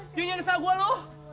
junya ngesel gua lu